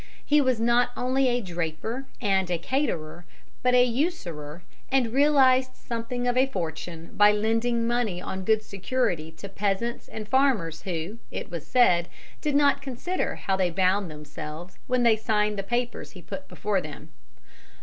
He was not only a draper and caterer but a usurer, and realized something of a fortune by lending money on good security to peasants and farmers who, it was said, did not consider how they bound themselves when they signed the papers he put before them.